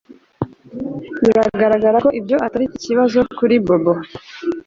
Biragaragara ko ibyo atari ikibazo kuri Bobo